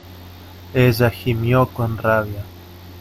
ella gimió con rabia: